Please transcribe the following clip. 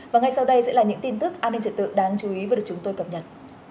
và ngay sau đây sẽ là những tin tức an ninh trật tự đáng chú ý vừa được chúng tôi cập nhật